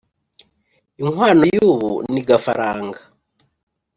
inkwano y'ubu ni gafaranga